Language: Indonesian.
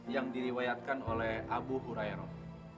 yang diriwayatkan oleh abu hurairah